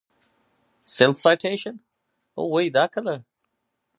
اوي دا کله ؟ self citition